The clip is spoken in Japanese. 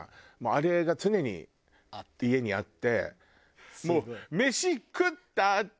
あれが常に家にあって。